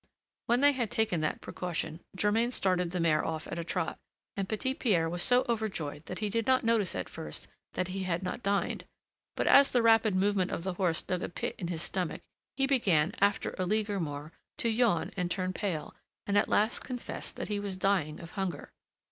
When they had taken that precaution, Germain started the mare off at a trot, and Petit Pierre was so overjoyed that he did not notice at first that he had not dined; but as the rapid movement of the horse dug a pit in his stomach, he began, after a league or more, to yawn and turn pale, and at last confessed that he was dying of hunger.